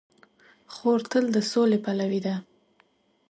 خور تل د سولې پلوي ده.